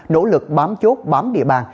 nỗ lực bám chốt bám địa bàn